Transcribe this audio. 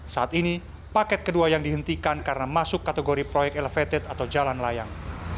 saat ini paket kedua yang dihentikan karena masuk kategori proyek elevated atau jalan layang